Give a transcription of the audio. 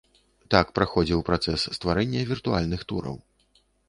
Так праходзіў працэс стварэння віртуальных тураў.